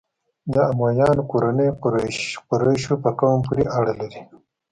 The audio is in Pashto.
د امویانو کورنۍ قریشو په قوم پورې اړه لري.